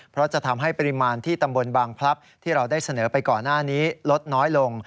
เพราะจะทำให้ปริมาณที่ตำบลบางพลับที่เราได้เสนอไปก่อนหน้านี้ลดน้อยลง